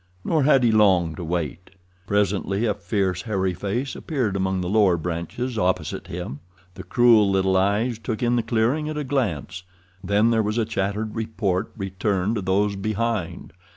Nor had he long to wait. Presently a fierce, hairy face appeared among the lower branches opposite him. The cruel little eyes took in the clearing at a glance, then there was a chattered report returned to those behind.